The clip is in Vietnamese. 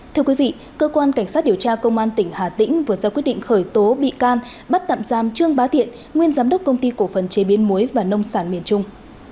thưa quý vị cơ quan cảnh sát điều tra công an tỉnh hà tĩnh vừa ra quyết định khởi tố bị can bắt tạm giam trương bá thiện nguyên giám đốc công ty cổ phần chế biến muối và nông sản miền trung